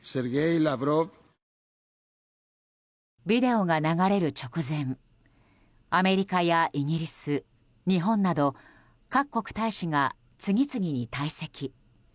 ビデオが流れる直前アメリカやイギリス、日本など各国大使が次々に退席。